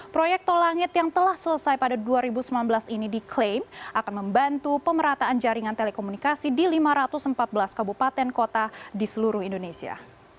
proyek tol langit yang telah selesai pada dua ribu sembilan belas ini diklaim akan membantu pemerataan jaringan telekomunikasi di lima ratus empat belas kabupaten kota di seluruh indonesia